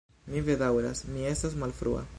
Mi bedaŭras, mi estas malfrua.